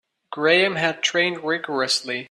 Graham had trained rigourously.